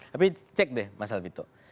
tapi cek deh masal gitu